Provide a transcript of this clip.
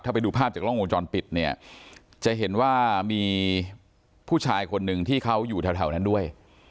ไปดูภาพจากกล้องวงจรปิดเนี่ยจะเห็นว่ามีผู้ชายคนหนึ่งที่เขาอยู่แถวนั้นด้วย